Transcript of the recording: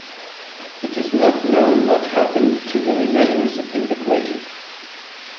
It is not known what happened to the remains in the grave.